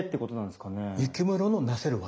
雪室のなせる業。